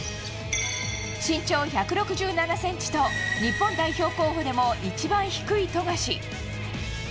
身長１６７ｃｍと日本代表候補でも一番低い富樫。